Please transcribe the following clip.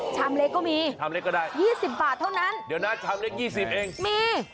ทำเล็กก็มีทำเล็กก็ได้ยี่สิบบาทเท่านั้นเดี๋ยวนั้นทำเล็กยี่สิบเองมี